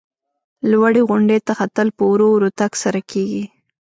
لوړې غونډۍ ته ختل په ورو ورو تگ سره کیږي.